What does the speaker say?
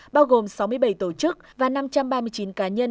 bao gồm sáu mươi bảy tổ chức và năm trăm ba mươi chín cá nhân